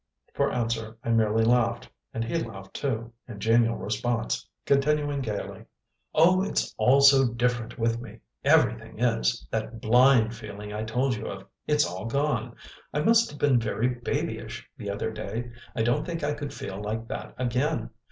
For answer I merely laughed; and he laughed too, in genial response, continuing gaily: "Oh, it's all so different with me! Everything is. That BLIND feeling I told you of it's all gone. I must have been very babyish, the other day; I don't think I could feel like that again.